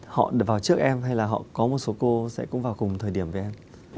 họ được vào trước em hay là họ có một số cô sẽ cũng vào cùng thời điểm với em